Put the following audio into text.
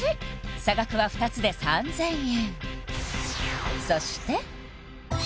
差額は２つで３０００円